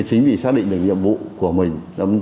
chính vì xác định được nhiệm vụ của mình